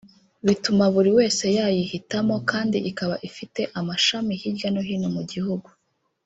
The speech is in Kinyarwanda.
bituma buri wese yayihitamo kandi ikaba ifite amashami hirya no hino mu gihugu